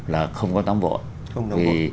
là không có nóng vội